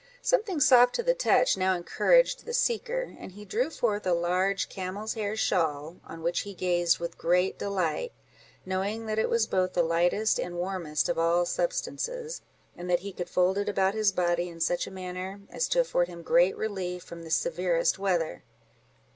Something soft to the touch now encouraged the seeker, and he drew forth a large camel's hair shawl, on which he gazed with great delight, knowing that it was both the lightest and warmest of all substances; and that he could fold it about his body, in such a manner as to afford him great relief from the severest weather.